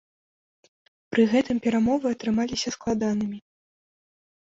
Пры гэтым перамовы атрымаліся складанымі.